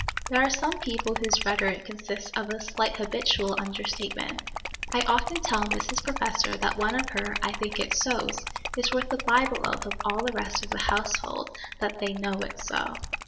There are some people whose rhetoric consists of a slight habitual under statement. I often tell Mrs. Professor that one of her "I think it's sos" is worth the Bible oath of all the rest of the household that they "know it's so."